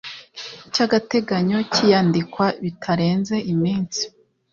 Cy agateganyo cy iyandikwa bitarenze iminsi